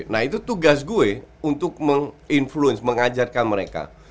nah itu tugas gue untuk menginfluence mengajarkan mereka